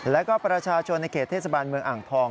แล้วก็ประชาชนในเขตเทศบาลเมืองอ่างทอง